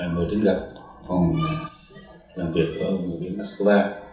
mới thức gặp phòng làm việc của người biến moscow